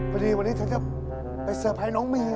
พอดีวันนี้ฉันจะไปเซอร์ไพรส์น้องเมย์